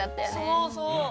そうそう。